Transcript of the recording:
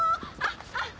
あっ！